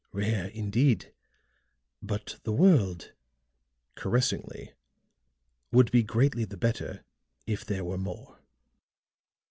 "Rare, indeed! But the world," caressingly, "would be greatly the better if there were more."